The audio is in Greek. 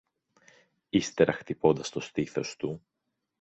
Ύστερα χτυπώντας το στήθος του